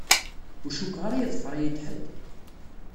Ur cukkeɣ ara iḍfer-iyi-d ḥedd.